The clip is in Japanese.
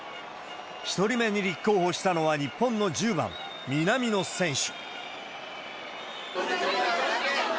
１人目に立候補したのは、日本の１０番、南野選手。